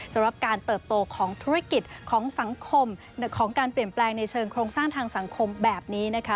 สำหรับการเติบโตของธุรกิจของสังคมของการเปลี่ยนแปลงในเชิงโครงสร้างทางสังคมแบบนี้นะคะ